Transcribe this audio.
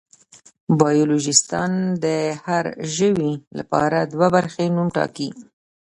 بایولوژېسټان د هر ژوي لپاره دوه برخې نوم ټاکي.